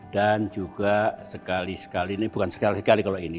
dan juga sekali sekali bukan sekali kali kalau ini